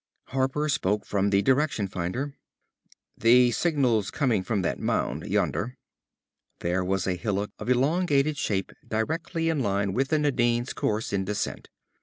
Harper spoke from the direction finder; "The signal's coming from that mound, yonder." There was a hillock of elongated shape directly in line with the Nadine's course in descent.